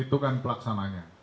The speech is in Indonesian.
itu kan pelaksananya